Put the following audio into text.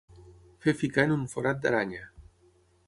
Fer ficar en un forat d'aranya.